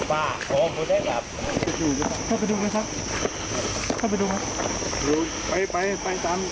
บ้าแล้วกูได้ครับ